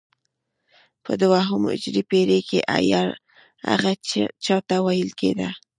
په دوهمه هجري پېړۍ کې عیار هغه چا ته ویل کېده.